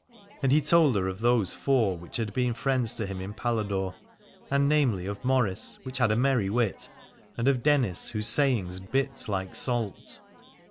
And he told her of those four which had been friends to him in Paladore : and namely of Maurice which had a merry wit, and of Dennis whose sayings bit like salt.